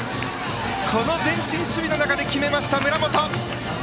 この前進守備の中で決めた村本！